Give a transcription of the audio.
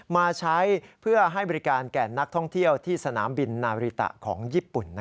มาใช้เพื่อให้บริการแก่นักท่องเที่ยวที่สนามบินนาริตะของญี่ปุ่น